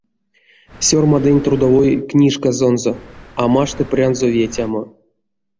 Сёрмадынь трудовой книжказонзо: а машты прянзо ветямо.